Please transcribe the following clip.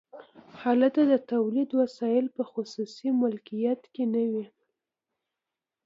هلته د تولید وسایل په خصوصي مالکیت کې نه وي